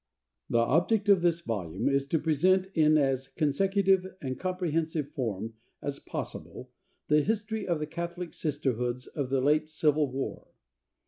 The object of this volume is to present in as consecutive and comprehensive form as possible the history of the Catholic Sisterhoods in the late Civil War.